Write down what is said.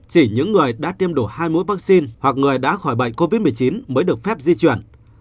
chỉ những người đã tiêm đủ hai mũi vaccine hoặc người đã khỏi bệnh covid một mươi chín mới được phép di chuyển